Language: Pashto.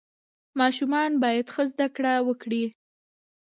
ماشومان باید ښه زده کړه وکړي.